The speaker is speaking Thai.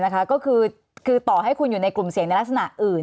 ก็คือต่อให้คุณอยู่ในกลุ่มเสี่ยงในลักษณะอื่น